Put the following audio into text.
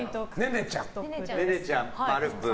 ネネちゃん、マルプー。